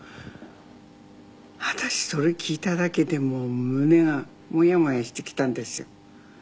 私それ聞いただけでもう胸がモヤモヤしてきたんですよ。